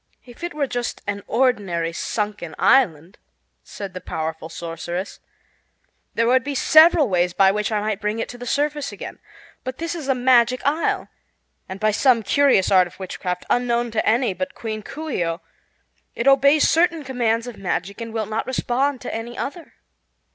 "If it were just an ordinary sunken island," said the powerful sorceress, "there would be several ways by which I might bring it to the surface again. But this is a Magic Isle, and by some curious art of witchcraft, unknown to any but Queen Coo ce oh, it obeys certain commands of magic and will not respond to any other.